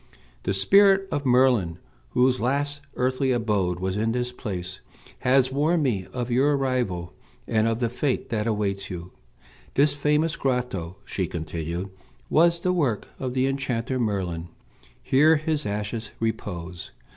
The spirit of Merlin, whose last earthly abode was in this place, has warned me of your arrival, and of the fate that awaits you. This famous grotto," she continued, "was the work of the enchanter Merlin; here his ashes repose.